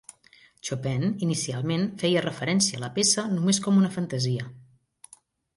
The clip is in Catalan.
Chopin, inicialment, feia referència a la peça només com una fantasia.